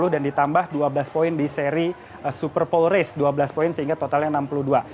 dan ditambah dua belas poin di seri super pole race dua belas poin sehingga totalnya enam puluh dua